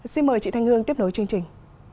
xin mời chị thanh hương tiếp nối chương trình